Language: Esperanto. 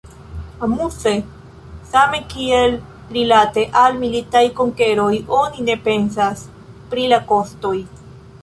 Amuze, same kiel rilate al militaj konkeroj oni ne pensas pri la kostoj.